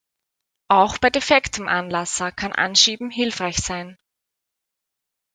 Auch bei defektem Anlasser kann Anschieben hilfreich sein.